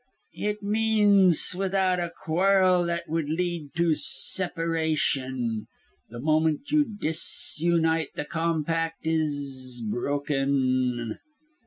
"It means without a quarrel that would lead to separation. The moment you disunite the compact is broken."